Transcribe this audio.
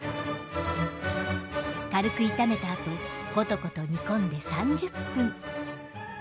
軽く炒めたあとコトコト煮込んで３０分。